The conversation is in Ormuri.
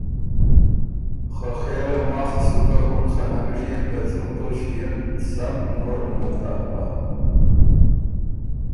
خه خېرا ماخه سو ګۀ اُن خه نک ژيېن که څُون توݭکيې ن سم نوڒه نک داک بَۀ۔